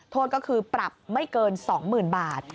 โทษก็คือปรับไม่เกิน๒๐๐๐บาท